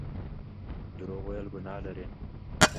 درواغ ويل ګناه لري